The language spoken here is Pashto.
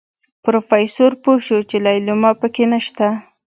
پروفيسر پوه شو چې ليلما پکې نشته.